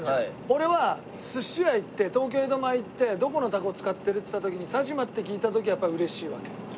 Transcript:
俺は寿司屋行って東京江戸前行ってどこのタコ使ってるっつった時に佐島って聞いた時はやっぱり嬉しいわけ。